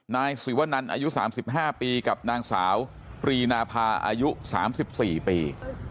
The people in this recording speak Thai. นายสิวะนันอายุสามสิบห้าปีกับนางสาวปรีนาภาอายุสามสิบสี่ปี